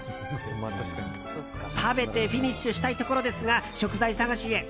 食べてフィニッシュしたいところですが食材探しへ。